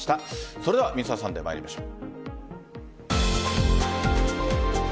それではＭｒ．サンデーまいりましょう。